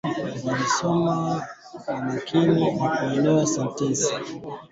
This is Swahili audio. Bakteria wanaosababisha ugonjwa wa kimeta hawaathiriwi baridi na viua dudu